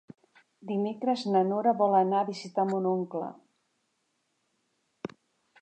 Dimecres na Nora vol anar a visitar mon oncle.